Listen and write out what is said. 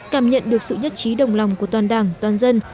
cảm nhận được sự nhất trí đồng lòng của toàn đảng toàn dân